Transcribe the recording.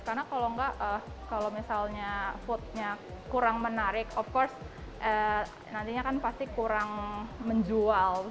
karena kalau misalnya foodnya kurang menarik of course nantinya kan pasti kurang menjual